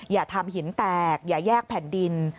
อย่าทำหินแตกอย่าแยกแผ่นดิน